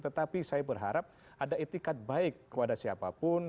tetapi saya berharap ada etikat baik kepada siapapun